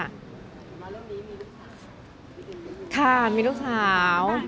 แล้วเรื่องนี้มีลูกสาว